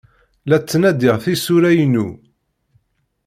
La ttnadiɣ tisura-inu.